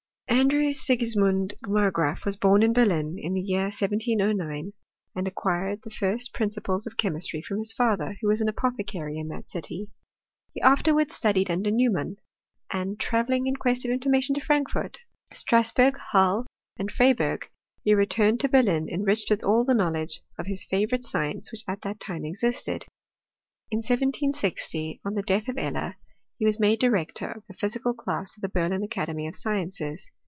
Andrew Sigismund Margraaf was bom in Berlin, in the year 1709, and acquired the first principles of chemistry from his father, who was an apothecary in that city. He afterwards studied under Iveumann, and travelling in quest of information to Frankfort, Strasburg, Halle, and Freyburg, he returned to Ber lin enriched with all the knowledge of his favourite fknence which at that time existed. In 1760, on the death of Eller, he was made director of the physical class of the Berlin Academy of Sciences.